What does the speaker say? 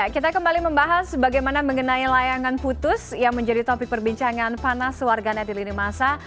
kita kembali membahas bagaimana mengenai layangan putus yang menjadi topik perbincangan panas warganet di lini masa